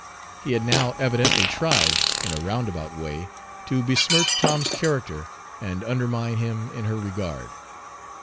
He had now evidently tried, in a roundabout way, to besmirch Tom's character and undermine him in her regard.